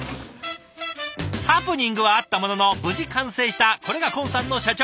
ハプニングはあったものの無事完成したこれが今さんの社長メシ。